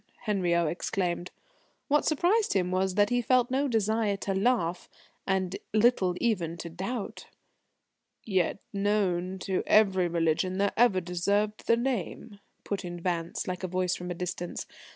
Henriot exclaimed. What surprised him was that he felt no desire to laugh, and little even to doubt. "Yet known to every religion that ever deserved the name," put in Vance like a voice from a distance.